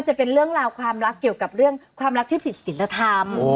จะเป็นเรื่องราวความรักเกี่ยวกับเรื่องความรักที่ผิดศิลธรรม